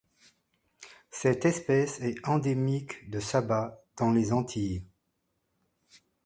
Cette espèce est endémique de Saba dans les Antilles.